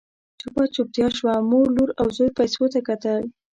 چوپه چوپتيا شوه، مور، لور او زوی پيسو ته کتل…